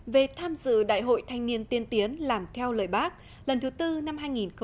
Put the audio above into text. về tham dự đại hội thanh niên tiên tiến làm theo lời bác lần thứ tư năm hai nghìn hai mươi